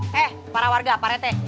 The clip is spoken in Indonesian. hei para warga pak retek